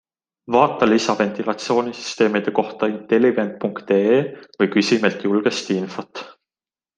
Vaata lisa ventilatsioonisüsteemide kohta intelivent.ee või küsi meilt julgesti infot.